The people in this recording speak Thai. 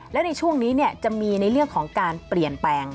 และในช่วงนี้จะมีในเรื่องของการเปลี่ยนแปลง